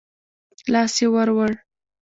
لاس يې ورووړ.